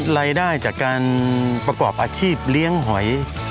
รายได้จากการประกอบอาชีพเลี้ยงหอย